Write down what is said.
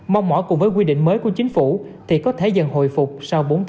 mong mỏi cùng với quy định mới của chính phủ thì có thể dần hồi phục sau bốn tháng